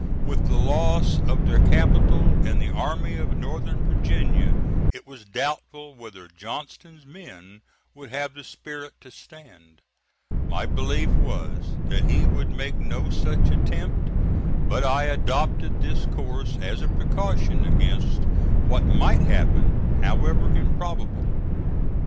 With the loss of their capital and the Army of Northern Virginia it was doubtful whether Johnston's men would have the spirit to stand. My belief was that he would make no such attempt; but I adopted this course as a precaution against what might happen, however improbable.